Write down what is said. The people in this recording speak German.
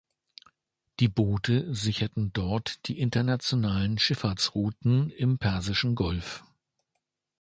Die Boote sicherten dort die internationalen Schifffahrtsrouten im persischen Golf.